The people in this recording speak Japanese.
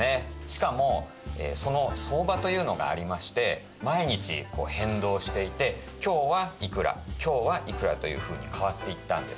しかもその相場というのがありまして毎日変動していて今日はいくら今日はいくらというふうに変わっていったんです。